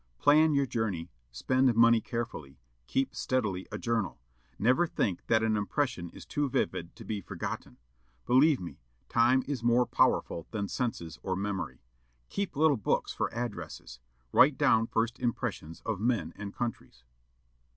"Plan your journey. Spend money carefully. Keep steadily a journal. Never think that an impression is too vivid to be forgotten. Believe me, time is more powerful than senses or memory. Keep little books for addresses. Write down first impressions of men and countries."